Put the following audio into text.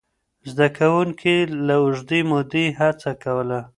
زده کوونکي له اوږدې مودې هڅه کوله.